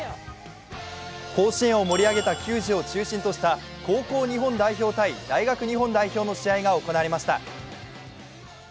甲子園を盛り上げた球児を中心とした高校日本代表対大学日本代表の試合が行われました。